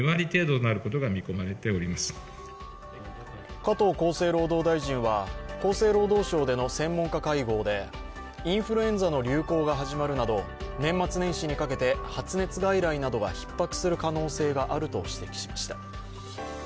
加藤厚生労働大臣は厚生労働省での専門家会合でインフルエンザの流行が始まるなど年末年始にかけて発熱外来などがひっ迫する可能性があると指摘しました。